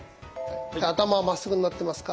頭はまっすぐになってますか？